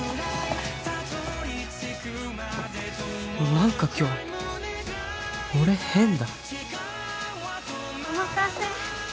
何か今日俺変だお待たせ